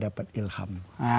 dia dapat ilham